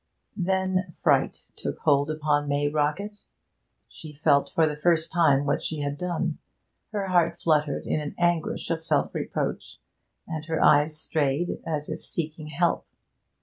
Then fright took hold upon May Rockett. She felt for the first time what she had done. Her heart fluttered in an anguish of self reproach, and her eyes strayed as if seeking help.